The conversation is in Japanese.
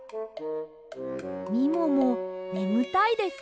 みももねむたいですか？